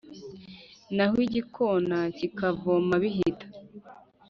naho igikona kikavoma bihita.